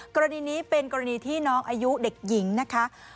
กรณีนี้เป็นกรณีที่น้องอายุเด็กหญิงนะคะ